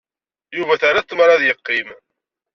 Yuba terra-t tmara ad yeqqim.